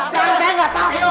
jangan saya gak salah